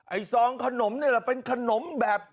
ซองขนมนี่แหละเป็นขนมแบบ